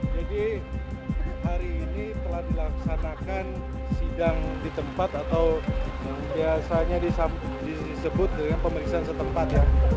hari ini telah dilaksanakan sidang di tempat atau biasanya disebut dengan pemeriksaan setempat ya